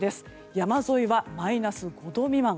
山沿いはマイナス５度未満。